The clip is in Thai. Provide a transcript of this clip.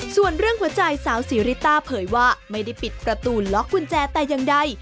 ส่วนเรื่องหัวใจสาวซีริต้าเผยว่าไม่ได้ปิดประตูล็อกกุญแจแต่อย่างใด